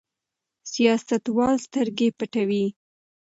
سیاستوال سترګې پټوي.